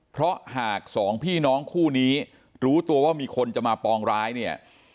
เพราะหากสองพี่น้องคู่นี้รู้ตัวว่ามีคนจะมาปองร้ายเนี่ย